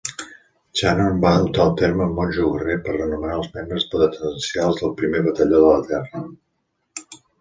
Channon va adoptar el terme "monjo guerrer" per anomenar els membres potencials del Primer Batalló de la Terra.